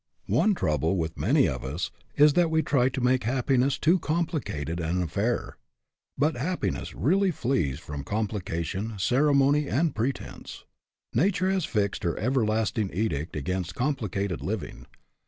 One trouble with many of us is that we try to make happiness too complicated an affair. But happiness really flees from complication, ceremony, and pretense. Nature has fixed her everlasting edict against complicated living.